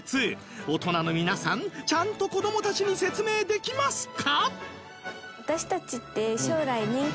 大人の皆さんちゃんと子どもたちに説明できますか？